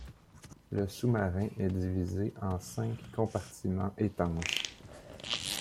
Le sous-marin est divisé en cinq compartiments étanches.